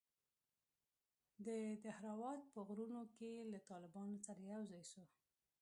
د دهراوت په غرونوکښې له طالبانو سره يوځاى سو.